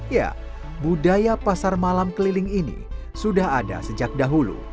ya budaya pasar malam keliling ini sudah ada sejak dahulu